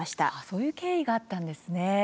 そういう経緯があったんですね。